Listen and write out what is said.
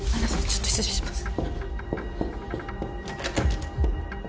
ちょっと失礼します。